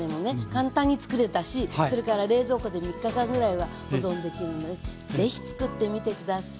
簡単につくれたしそれから冷蔵庫で３日間ぐらいは保存できるので是非つくってみて下さい。